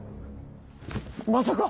まさか！